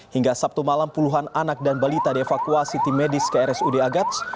hingga sabtu malam puluhan anak dan balita dievakuasi tim medis ke rsud agats